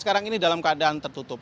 sekarang ini dalam keadaan tertutup